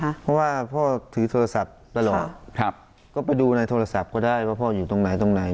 เพราะว่าพ่อถือโทรศัพท์ตลอดครับก็ไปดูในโทรศัพท์ก็ได้ว่าพ่ออยู่ตรงไหนตรงไหน